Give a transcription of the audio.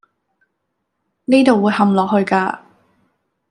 呢度會陷落去㗎